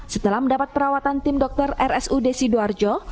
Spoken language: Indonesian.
setelah mendapat perawatan tim dokter rsu desidoarjo